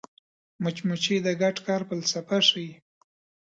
مچمچۍ د ګډ کار فلسفه ښيي